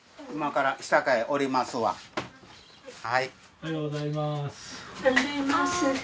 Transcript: おはようございます。